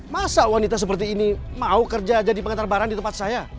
masa wanita seperti ini mau kerja jadi pengantar barang di tempat saya